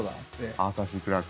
アーサー・Ｃ・クラーク。